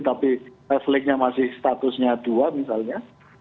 tapi levelnya masih statusnya dua misalnya